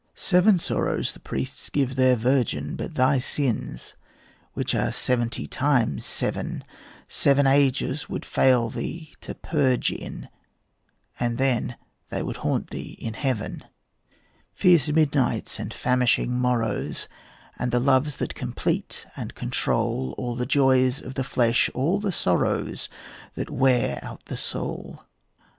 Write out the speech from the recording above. Seven sorrows the priests give their Virgin; But thy sins, which are seventy times seven, Seven ages would fail thee to purge in, And then they would haunt thee in heaven: Fierce midnights and famishing morrows, And the loves that complete and control All the joys of the flesh, all the sorrows That wear out the soul.